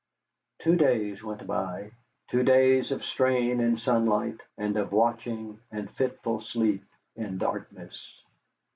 Two days went by, two days of strain in sunlight, and of watching and fitful sleep in darkness.